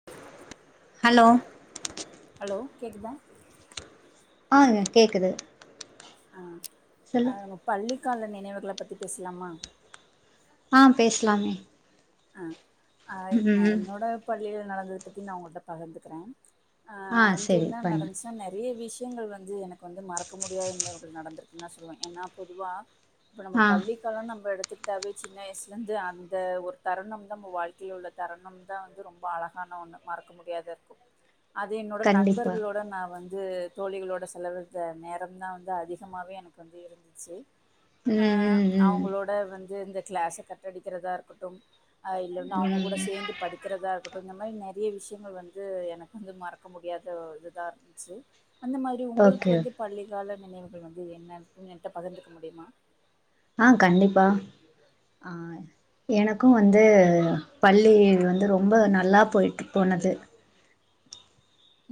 [inaudible] Hello hello கேக்குதா ஆங்க கேக்குது ஆ சொல்லு அ உங்க பள்ளிக்கால நினைவுகள பத்தி பேசலாமா ஆ பேசலாமே அ அ அ ம் என்னோட பள்ளியில நடந்தத பத்தி நா உங்ககிட்ட பகிர்ந்துக்கறே ஆ அங்க சரி என்ன பண்ணு நடச்சு நெறைய விஷயங்கள் வந்து எனக்கு வந்து மறக்க முடியாத நினைவுகள் நடந்திருக்குன்னு தா சொல்லுவே ஏன்னா பொதுவா இப்ப நம்ம ஆ பள்ளிக்கால நம்ம எடுத்துக்கிட்டாவே சின்ன வயசுல இருந்து அந்த ஒரு தருணம் தா நம்ம வாழ்க்கையில உள்ள தருணம் தா வந்து ரொம்ப அழகான ஒன்னு மறக்க முடியாத இருக்கு அது என்னோட கண்டிப்பா நண்பர்களோட நா வந் து தோழிகளோட செலவழித்த நேரம்தா வந்து அதிகமாவே எனக்கு வந்து இருந்துச்சு அ ம் ம் ம் அவங்களோட வந்து இந்த கிளாஸ கட்டடிக்கிறதா இருக்கட்டு ஆ இல்லன்னா அவங்க கூட ம் சேர்ந்து படிக்கிறதா இருக்கட்டு இந்த மாரி நெறைய விஷயங்கள் வந்து எனக்கு வந்து மற க்க முடியாத இதுதா இருந்துச்சு அந்த மாரி உங்களுக்கு ஓகே வந்து பள்ளிக்கால நினைவுகள் வந்து என்னனு என்ட பகிர்ந்துக்க முடியுமா ஆ கண்டிப்பா ஆ எனக்கு வந்து பள்ளி வந்து ரொம்ப நல்லா போய்ட்டு போனது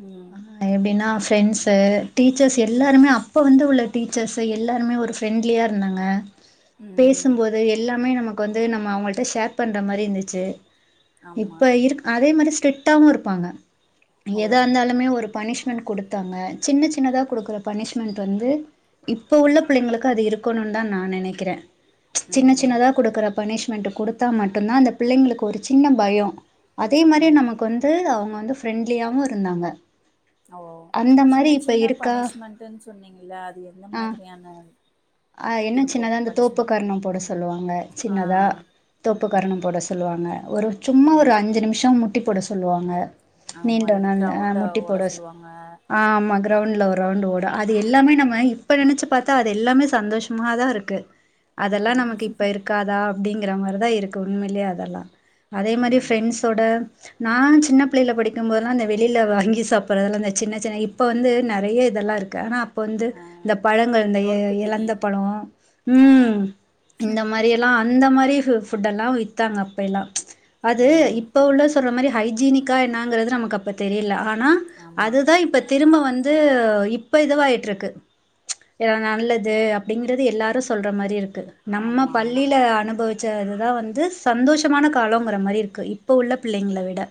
ம் எப்படின்னா ஃப்ரெண்ட்ஸு டீச்சர்ஸ் ம் எல்லாருமே அப் இப்ப வந்து உள்ள டீச்சர்ஸு எல்லாருமே ஒரு ஃப்ரெண்ட்லியா இருந்தாங்க பே ம் சும் போது எல்லாமே நமக்கு வந்து நம்ம அவங்கள்ட ஷேர் பண்ற மாரி இருந்துச்சு ஆமா இப்ப இருக்க அதே மாரி ஸ்டெட்டாவு இருப்பாங்க ஓ எதா இருந்தாலு மே ஒரு பனிஷ்மெண்ட் குடுத்தாங்க சின்ன சின்னதா கொடுக்குற பனிஷ்மெண்ட் வந்து இப்போ உள்ள பிள்ளைங்களுக்கு அது இருக்கணுன் தா நா நினைக்கிறே சின்ன ம் சின்னதா கொடுக்குற பனிஷ்மெண்ட் கொடுத்தா மட்டுதா அந்த பிள்ளைங்களுக்கு ஒரு சின்ன பயோ அதே மாரி ம் நமக்கு வந்து அவங்க வந்து ஃப்ரெண்ட்லியாவு இருந்தாங்க ஓ அந்த மாரி சின்ன இப்ப சின்ன இருக்கா? பனிஷ்மென்ட்ன்னு சொன்னீங்கல்ல அது எந்த மாதிரியான அ என்ன இருக்கும் சின்னதா அந்த தோப்பு பனிஷ்மெண்ட் கரணம் போட சொல்லுவாங்க ஆ சின்னதா தோப்பு ம் கரணம் போட சொல்லுவாங்க ஒரு சும்மா ம் ஒரு அஞ்சு நிமிஷம் முட்டி போட சொல்லுவாங்க ஆமா நீண்டோன இல்லாட்டி அந்த ஆ க்ரௌண்ட முட்டி ஓட போட சொல்லுவாங்க ஆமா க்ரௌண்ட்ல ஒரு ரவுண்டு ஓடு அது எல்லாமே நம்ம இப்போ நெனச்சி பாத்தா அது எல்லாமே சந்தோஷமா தா இருக்கு [inaudible] அதெல்லா நமக்கு இப்ப இருக்காதா அப்படிங்கிற மாரிதா இருக்கு உண்மையிலேயே அதெல்லா அதே மாரி ம் ஃப்ரெண்ட்ஸ் தொட நானு சின்ன பிள்ளைல படிக்கு போதுலா அந்த வெளியில வாங்கி சாப் புற அதெல்லா அந்த சின்ன சின்ன இப்ப வந்து நெறைய இதெல்லா இருக்கு ஆனா அ இப்ப வந்து ஆ இந்த பழங்கள் இந்த நொறுக்கு தீனி எழந்த பழோ ஆ ம் இந்த மாரி எல்லா அந்த மாதிரி ஃபுட் எல்லா வித்தாங்க அப்ப எல்லா அது ம் இப்ப உள்ள சொல்ற மாதிரி ஹைஜீனிக்கா என்னங்றது நமக்கு அப்ப தெரில ஆனா ஆமா அதுதா இப்ப திரும்ப வந்து இப்ப இதுவாயிட்ருக்கு ஏனா நல்லது அப் அப்டிங்கிறது எல்லாரு சொல்ற மாரி இருக்கு நம்ம ஆமா ஆமா பள்ளியில அனுபவி ச அதுதா வந்து சந்தோஷமான காலங்கிற மாரி இருக்கு இப்போ உள்ள பிள்ளைங்கள விட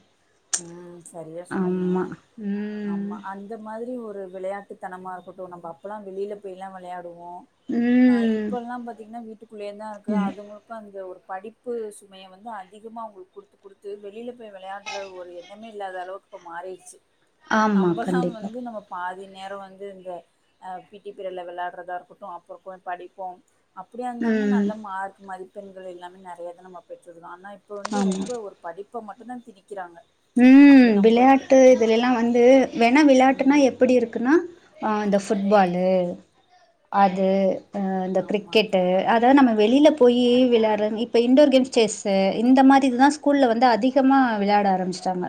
ம் சேரியா சொன்னிங்க ஆமா. ம். ஆமா அந் அந்த மாதிரி ஒரு விளையாட்டுத்தனமா இருக்கட்டு நம்ம அப்போலா வெளியில போய்லா விளையாடுவோ ஆ ம். இப்ப எல்லா பாத்தீங்கன்னா வீட்டுக்குள்ளயே தா இருக்கு அதுவு இப்ப அந்த ஒரு படிப்பு சுமைய வந்து அதிகமா அவங்களுக்கு கொடுத்து கொடுத்து வெளியில போய் விளையா ஒரு ஒரு எண்ணமே இல்லாத அளவுக்கு இப்போ மாறிடுச்சு ஆமா. நம்மல்லா கண்டிப்பா. வந்து நம்ம பாதி நேரோ வந்து இந்த அ பிடி பிரியடுல விளையாடுறதா இருக்கட்டு அப்புறோ உக்காந்து படிப்போ அப்படியா இருந்தாலுமே ம். நல்ல மார்க் மதிப்பெண்கள் எல்லாமே நெறைய தா நம்ம பெற்றிருந்தோ ஆனா இப்போ வந்து ஆமா. ரொம்ப ஒரு படிப்ப மட்டுதா திணிக்குறாங்க ம் விளயாட்டு இதுலயெல்லா வந்து வேணா விளாட்டுனா ம். எப் எப்புடி இருக்குன்னா ஆ இந்த ஃபுட்பாலு அது ஆ இந்த ஆமா. கிரிக்கெட்டு அதாது நம்ப வெளில போயி விளாட்ற இப்ப இன்டோர் கேம்ஸ் செஸ்சு இந்த மாரி இதுதா ஸ்கூல்ல வந்து அதிகமாக விளாட ஆரமிச் சாங்க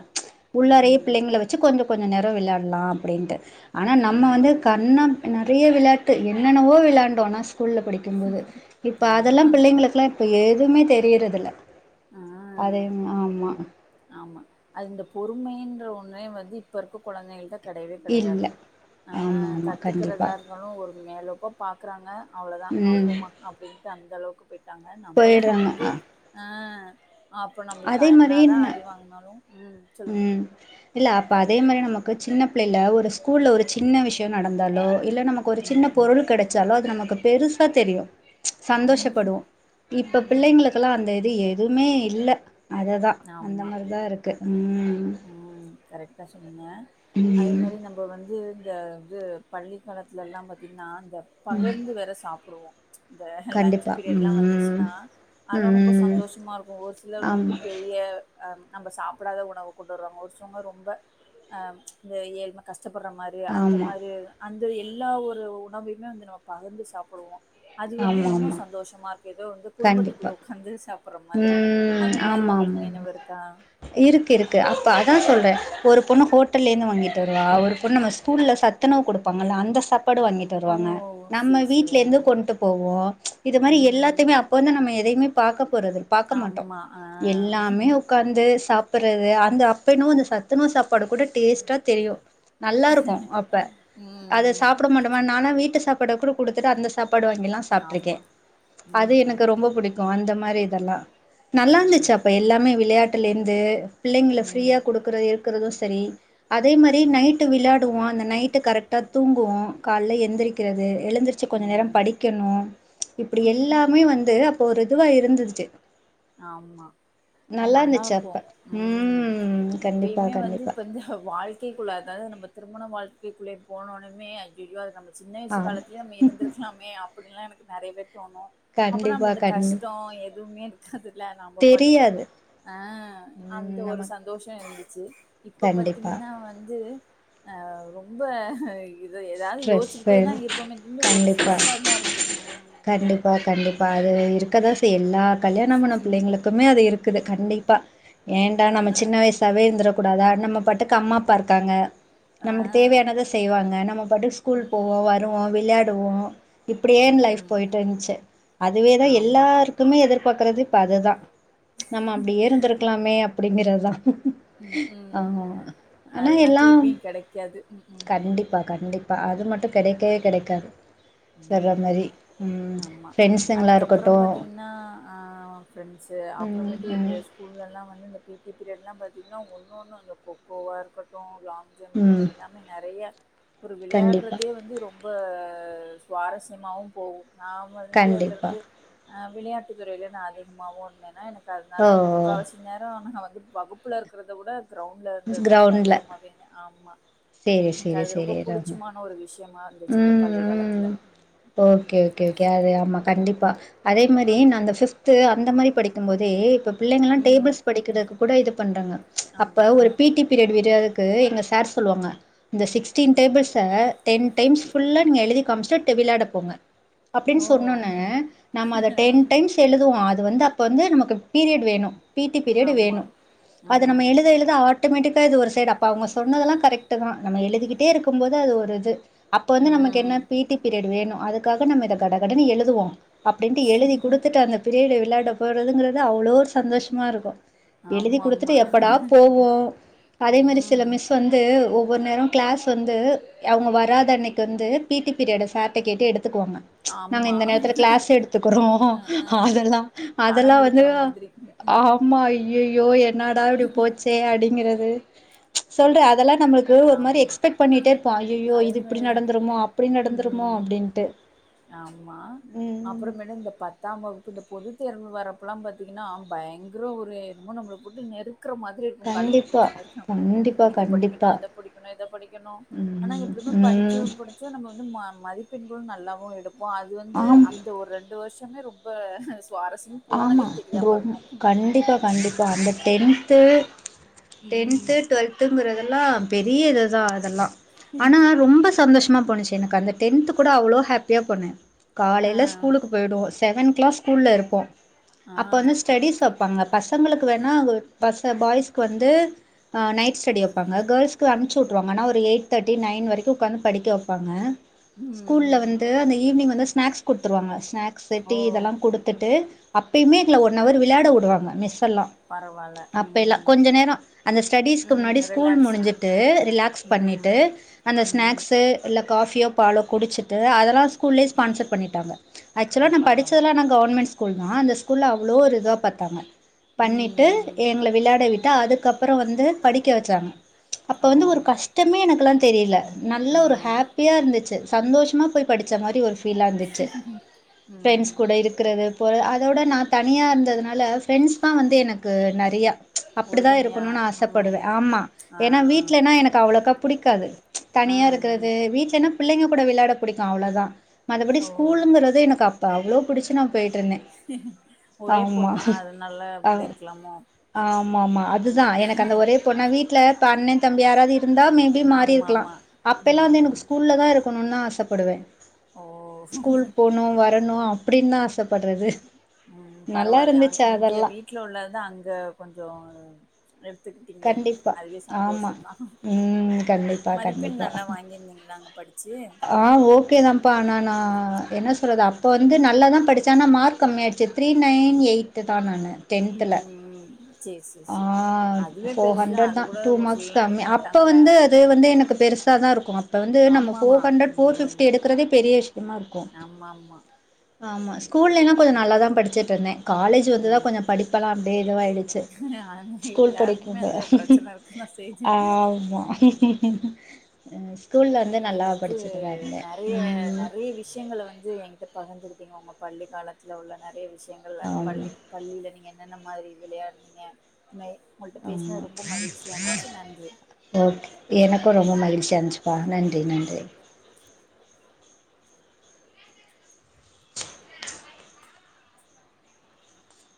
உள்ளாரையே ம். பிள்ளைங்கள வச்சி கொஞ்சோ கொஞ்சோ நேரோ விளையாட்லா அப்டின்ட்டு ஆனா நம்ம ஆமா, வந்து கண்ணம் நறைய விளையாட்டு என்னென்னவோ விளாண்டோ ஆனா ஸ்கூல்ல படிக்கு டிங்கு போது இப்ப ஆமா. அதெல்லா பிள்ளைங்களுக்ல்லா இப்ப எதுவுமே தெரியறது இல்ல ஆ அதே ஆம்மா ஆமா அது இந்த பொறுமைன்ற ஒன்னே வந்து இப்ப இருக்க கொழந்தைகள்ட்ட கெடையவே இல்ல கெடையாது ஆ ஆமா ஆமா கண்டிப்பா கத்துக்றதா இருந்தாலு ஒரு மேலோப்பா பாக்குறாங்க அவ்ளோதா ஆ ம் போமா அப்டின்ட்டு அந்த அளவுக்கு பொயிட்டாங்க நம்பல்லா போயிடுறாங்க வந்து அ ஆ அப்போ நம்ளுக்கு அதே மாரி என்னாதா ந அடி வாங்குனாலும் ம் சொல்லுங்க ம் இல்ல அப்ப அதே மாரி நமக்கு சின்ன பிள்ளைல ஒரு ஸ்கூல்ல ஒரு சின்ன விஷ்யோ நடந்தாலோ இல்ல ஒரு சின்ன ம் பொருள் கெடச்சாலு அது நமக்கு பெருசா தெரியு ஆமா. சந்தோஷப்படுவோ இப்ப ம் பிள்ளைங்ளுக் குல்லா அந்த இது எதுமே இல்ல அதுதா அந்த ஆமா. மாரிதா இருக்கு ம் ம் கரெக்டா சொன்னீங்க அது ம் மாரி நம்ப வந்து இந்த வந்து பள்ளிக்காலத்துலல்லா பாத்திங்ன்னா இந்த பகிர்ந்து வேற சாப்டுவோ இந்த லன்ச்சு கண்டிப்பா பீரியட்ல்லா ம் வந்துச்ன்னா அதெல்லா ரொம்ப ம் சந்தோஷமா இருக்கு ஒரு சிலர் வந்து ஆமா பெரிய அ நம்ப சாப்டாத உணவு கொண்டு வருவாங்க ஒருசிலவங்க ரொம்ப ஆ இந்த ஏழ்ம கஷ்டப்பட்ற மாரி அந்த ஆமா மாரி அந்த எல்லா ஒரு உணவையுமே வந்து நம்ம பகிர்ந்து சாப்டுவோ அது வந்து ஆமா இன்னு ஆமா சந்தோஷமா இருக்கு ஏதோ வந்து குடும்பத்துக்குள்ள கண்டிப்பா வந்து உட்காந்து சாப் புட்ற மாதிரி ம் அந்த மாரி ஆமா ஆமா உங்ளுக்கு நினைவு இருக்கா இருக்கு இருக்கு அப்ப அதா சொல்றே ஒரு பொண்ணு ஹோட்டல்லேந்து வாங்கிட்டு வருவா ஒரு பொண்ணு நம்ம ஸ்கூல்ல சத் துணவு குடுப்பாங்கள அந்த சத் சாப்பாடு வாங்கிட்டு ஓ! வருவாங்க நம்ம சரி, சரி. வீட்ல ஆ. இருந்து கொண்டு போவோ இது மாரி ம். எல்லாத்தையுமே இப்ப வந்து நம்ம எதையுமே பாக்க போறது பாக்க மாட்டோ ஆமா. ஆ. எல்லாமே உக்காந்து சாப்புட்ற அந்த அப்ப எனவோ அந்த சத்துணவு சாப்பாடு கூட டேஸ்டா தெரியு நல்லா இருக்கு அப்ப அத ம், ம். சாப்பிட மாட்டோ நானா வீட்டு சாப்பாட கூட குடுத்துட்டு அந்த சாப்பாடு வாங்கில்லா சாப்ட்டு இருக்கே ஆமா. அது ம். எனக்கு ரொம்ப புடிக் கு அந்த மாறி இத எல்லா நல்லா இருந்துச்சு ம். அப்ப எல்லாமே விளையாட்டுல இருந்து பிள்ளைங்கள ஃப்ரீயா ம். குடுக்கற இருக்குறது சேரி அதே மாறி நைட்டு விளையாடுவோ அந்த நைட்டு கரெட்டா தூங்குவோ காலையில எந்திரிக்கிறது எழுந்திருச் ச்சு கொஞ்சே நேர ம். படிக்கணு இப்புடி எல்லாமே வந்து அப்போ ஒரு இதுவா இருந்துருச்சு ஆம்மா அது நல்லா இருந்துச்சு இருக்கு அப்ப ம் கண்டிப்பா இப்பயுமே வந்து கண்டிப்பா இப்ப இந்த வாழ் க்கைகுள்ள அதது நம்ப திருமண வாழ்க்கைக்குள்ளே போனவுன்னுமே ஐயையோ அது நம்ப சின்ன ஆமா வயசுகாலத்துலே நம்ப இருந்திருக் கலாமே அப்புடின்னு எல்லா எனக்கு நெறையவே தோணு அப்பனா இந்த கண்டிப்பா இந்த கண் கஷ்டோ எதுவுமே அதுல நம்ப பாட்டுக்கு தெரியாது ஆ அந்த ம் ஒரு நமக் சந்தோஷோ இருந்துச்சு இப்ப கண்டிப்பா பாத்திங்கன்னா வந்து ஆ ரொம்ப இது ஏதாது ஸ்ட்ரெஸ்ஸு யோச்சிக்கிட்டேதா இருக்கோமே தெரிஞ்சு ஒரு ஸ்ட்ரெஸ்ஸாதா இருக்கு ம் பா கண்டிப்பா அது இருக்கதா செய்யு எல்லா கல்யாணோமாணோ பிள்ளைங்ளுக்குமே அது இருக்குது கண்டிப்பா ஏன்டா அ, நம்ம அ, சின்ன வயசாவே இருந்துர கூடாதா நம்ம பாட்டுக்கு அம்மா அப்பா இருக்காங்க ஆ. நமக்கு தேவையானத செய்வாங்க நம்ம பாட்டுக்கு ஸ்கூல் ம், போவோ ம். வருவோ விளையாடுவோ இப்டியே ம் லைஃப் ம் பொயிட்ருன்சி அதுவேதா ஆமா எல்லாருக் குமே எதிர்பார்க்றது இப்ப அதுதா நம்ம அப்டியே ஏ இருந்ருக்லாமே அப்டிங்கிறதுதா ம் ம் ஆ அனா அதுதா எல்லா திருப்பியு கெடைக்காது ம் ம் கண்டிப்பா கண்டிப் இப்ப அது மட்டு கிடைக்கவே கிடைக்காது சொல்ற ம் மாரி. ம். ஆமா ஃப்ரெண்ட்ஸுங்களா அதுக்கப்புறோ இருக்கட்டும். பாத்தீங்கன்னா ஆ ஃப்ரண்ட்சு அப்புறே ம், மேட்டி இந்த ம். ஸ்கூல்ல எல்லா வந்து இந்த பிட்டி பீரியட்லா பாத்திங்கன்னா ஒன்னன் ஒன்னோ அந்த கொக்கோவாக இருக்கட்டு லாங் ஜம்ப்பு ம். எல்லாமே நெறைய ஒரு கண்டிப்பா, விளையாடுறதே வந்து ரொம்ப சுவாரஸ்யமாவோ போகு நா வந்து அதுல கண்டிப்பா. இருந்து ஆ விளையாட்டுத்துறையில நா அதிகமாவவு ஓட்னேனா எனக்கு ஓ! அதனால முக்கவசி சில நேரே ஆனா வந்து வகுப்புல இருக்கிறத விட கிரௌண்ட்ல இருந்ததுதா எனக்கு கிரவுண்ட்ல. அதிகமா வேணு ஆம்மா சரி, எனக்கு சரி, அது ரொம்ப சரி. ராம. புடிச்சமான ஒரு விஷயமா இருந்துச்சு இந்த ம், பள்ளி காலத்துல ம். ஓகே ஓகே ஓகே அது ஆமா கண்டிப்பா அதே மாறி நா அந்த பபிப்து அந்த மாறி படிக்கு போதே இப்ப பிள்ளைங்கலா‌ ம். டேபிள்ஸ் படிக்கிறதுக்கு கூட இது பண்றாங்க அப்ப ஆமா. ஒரு பிட்டி பீரியட்டு விடுறதுக்கு எங்க சார் சொல்லுவாங்க இந்த சிக்ஸ்டீன் டேபிள்ஸ்சா டென் டைம்ஸ் புல்லா நீங்க எழுதி காம்ச்சுடு டூ விளையாட போங்க அப்டின்னு ஓ சொன்னோன்ன நம்ம அத டென் டைம்ஸ் எழுதுவோ அது‌ வந்து அப்ப வந்து நமக்கு பீரியட் வேணு பிட்டி பீரியட் ஆமா வேணு அத நம்ம ம் எழுத எழுத ஆட் ட்டோமேட்டிக்கா இது ஒரு சைடு அப்போ அவுங்க சொன்னது எல்லா கரெக்ட்டு தா நம்ம எழுதிக்கிட்டே இருக்கு போது அது ஒரு இது அப்ப வந்து நமக்கு என்ன ம் பிடி பீரியட் வேணு அதுக்காக நம்ம இத கடகடனு எழுதுவோ அப்புடின்ட்டு எழுதி கொடுத்துட்டு அந்த பீரியடு விளையாட போறதுங்கறது அவ்ளோ சந்தோஷமா இருக்கு எழுதி கொடுத்துட்டு ஆமாமா எப்படா போவோ அதே மாறி சில ம் மிஸ் சு வந்து ஒவ்வொரு நேரம் கிளாஸ் வந்து அவுங்க வ ராத அன்னைக்கு வந்து பீட்டி பீரியட்டா சார் கிட்ட‌ கேட்டு எடுத்துக்கு வாங்க நாங்க ஆமா இந்த நேரத்துல கிளாஸ் எடுத்துக்குறோ அ ஆ அத எல்லா அத எல்லா கடன் வந்து குடுக்குற மாதிரி ம் ஆமா ஐ ய்யோயோ என்னடா இப்புடி போச்சே அடிங்கிறது சொல்ற அத எல்லா நம்மளுக் கு ஒரு மாறி ஆமா எக்ஸ்பெக்ட் பண்ணிட்டே இருப்போ ஐயோ அதே இது இப்புடி மாரி நடந்துருமோ அப்புடி நடந்துருமோ ம் அப்புடின்ட்டு ஆமா அப்புறோ மேலு இந்த பத் தா‌ம் வகுப்பு இந்த பொது தேர்வு வரப்பல்லா பாத்தீங்கன்னா பயங்கர ஒரு என்னமே நம்பள போட்டு நெருக்கற மா றி இருக்கு கழுத்த கண்டிப்பா பிடிச்சு நேருக்குற மாறி கண்டிப்பா இத படிக்கணு கண்டிப்பா அத படிக்கணு இத படிக்கணு ஆனா ம் எப்புடியுமே படிச்சு ம் முடிச்சு வந்து நம்ம வந்து ம மதிப்பெண்களு நல்லாவு எடுப்போ அது வந்து ஆம் அந்த ஒரு ரெண்டு வருஷமே ரொம் பா சுவாரசியம் ஆமா க்ரோமு கண்டிப்பா கண்டிப்பா அந்த டென்த்து ம். டென்த்து டுவெல்த் திரும்புரதெல்லா பெரிய இது தா அதெல்லா ஆனா ரொம்ப சந்தோஷமா போச்சு எனக்கு அந்த டென்த்து கூட அவ்ளோ ஹாப்பியா போனே ஆ. காலைல ஸ்கூலுக்கு போயிடுவோ செவன் கிளாஸ் ஸ்கூல்ல இருப்போ ஆ. அப்ப வந்து ஸ்டடிஸ் வப்பாங்க பசங்களுக்கு வேணா பச பாய்ஸ்க்கு வந்து அ நைட் ஸ்டடி வப்பாங்க கேள்ஸ்கு அனுப்புச்சி வுட்ருவாங்க‌ ஆனா ஒரு எயிட் தேட்டி நைன் வரைக்கு உக்காந்து படிக்க வைப்பாங்க ம், ஸ்கூல்ல வந்து ம். அந்த ஈவினிங் வந்து ஸ்நாக்ஸ் குடுத்துருவாங்க ஸ்நாக்ஸ் ஓ! டீ இதெல்லா குடுத்துட்டு அப்புயுமே எங்கள ஒன் ஹவர் விளையாட விடு வாங்க மிஸ்சு எல்லா பரவால்ல. அப்ப எல்லா ம். கொஞ்ச நேரம் அந்த ஸ்டடிஸ்க்கு ம். முன்னாடி ஸ்கூல் ரிலாக்ஸுக்கு. முடிஞ்சுட்டு ரிலாக்ஸ் ம். பண்ணிட்டு அந்த ம். ஸ்நாக்சு இல்ல காபியோ பாலோ குடிச்சிட்டு அதெல்லா ஸ்கூல்லேயே ஸ்பான்சர் பண்ணிட்டாங்க ஓ ஆக்சுவலா நா பரவால்ல படிச்சதெலா நாங் கவர்மெண்ட் ஸ்கூல் தா அந்த ஸ்கூல்ல அவ்ளோ ஒரு இதுவா பாத்தாங்க ம் பண்ணிட்டு ம் எங்கள விளையாட விட்டா அதுக்கப்றோ வந்து படிக்க வச்சாங்க அப்போ ஓ வந்து ஒரு கஷ்ட இதுமே எனக்குலா தெரியல ஆ நல்லா ஒரு ஹாப்பியாருந்துச்சு சந்தோஷமா போய் படிச்ச மாரி ஒரு பீல் ஆ இருந்துச்சு பிரெண்ட்ஸ் ம் கூட இருக்கிறது அதோட நா தனியாருந்ததுனால ஃப்ரெண்ட்ஸ் தா வந்து எனக்கு நெறையா அப்டிதா உறுதுணையா இருக்கணுனு ம் ஆசப்படுவே ஆமா ஆ ஏனா வீட்லன்னா எனக்கு அவ்ளோக்கா புடிக்காது ஆ ம் தனியாருக்கிறது விட்லன்னா பிள்ளைங்க கூட விளாட புடிக்கு அவ்ளோ தா மத்தபடி ஓ ஸ்கூலுங்கிறது எனக்கு அப்ப அவ்ளோ பிடிச்சு நா போய்ட்டு ஒரே பொண்ணா அதுனால அப்டி இருக்கலாமோ ஆமா ஆமா அது தா எனக்கு அந்த ஒரே பொண்ணா வீட்ல இப்ப அண்ணே தம்பி யாராது இருந்தா மேபி ஆமா மாறிருக்கலா ஆமா அப்ப எல்லா வந்து ம் எனக்கு ஸ்கூல்ல தா இருக்கணுனு ஆசப்படுவே ஓ ஸ்கூல் போணு வரணு அப்டின்னு தா ஆசப்பட்றது ம் நல்லா பரவால்ல அங் இருந்துச்சு இங்க அதெல்லா வீட்ல உள்ளதுதா அங்க கொஞ்சோ எடுத்துக்கிட்டீங்ளே கண்டிப்பா அதுவே ஆமா சந்தோஷோந் தா ம் கண்டிப்பா மதிப்பெண் கண்டிப்பா நல்லா வாங்கியிருந்தீங்ளா அங்க படிச்சு ஆ ஓகே தாம்ப்பா நானு நா என்ன சொல்றது அப்போ வந்து நல்லா தா படிச்சே ஆனா மார்க் கம்மி ஆயிட்ச்சு த்ரீ நைன் எயிட் தா நானு ம் டென்த்துல ம் சேரி ஆ சேரி அதுவே ஃபோர் பெருசுதான். ஹண்ட்ரட் அது தா கூட டூ ஒரு மார்க்ஸ் சிலர்லாம் கம்மி எடுக்க அப்போ மாட்டாங்கல்ல. வந்து அது வந்து எனக்கு பெருசா தாருக்கு அப்ப வந்து ஆமாமா. ஃபோர் ஹன்ரெட் ஃபோர் ம். ஃபிப்டி எடுக்கறதே பெரிய விஷயமாருக்கு ஆமாமா. ஆமா ஸ்கூல்லலா கொஞ்சோ நல்லா தா படிச்சுட்டுருந்தே காலேஜ் வந்து தா கொஞ்சோ படிப்பெல்லா அப்டியே இதுவாய்டுச்சு [unintelligible] எல்லாரும் ஆம்மா ம். ஸ்கூல்ல வந்து நீங்க நல்லா வந்து படிச்சுட்டு தா இருந்தே நெறைய ம் நெறைய விஷயங்க வந்து ஏகிட்ட பகிர்ந்துருக்கீங்க உங்க பள்ளிக்காலத்துல உள்ள நெறைய விஷயங்கள் அது ஆமா பள்ளி பள்ளில நீங்க என்னென்ன மாரி விளையாடுனீங்க உங்கள்ட்ட பேசுனது ரொம்ப மகிழ்ச்சியாருந்துச்சு நன்றி ஓக் எனக்கு ரொம்ப மகிழ்ச்சியாருந்துச்சிப்பா நன்றி நன்றி [inaudible]